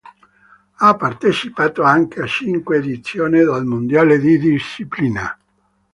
Ha partecipato anche a cinque edizioni dei Mondiali di disciplina.